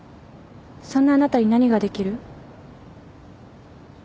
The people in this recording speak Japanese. そんなあなたに何ができる？